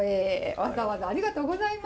わざわざありがとうございます遠いのにね。